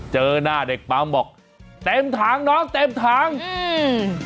เจอหน้าเด็กปั๊มบอกเต็มถังน้องเต็มถังอืม